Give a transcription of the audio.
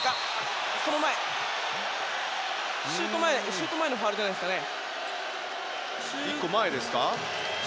シュート前のファウルじゃないですかね。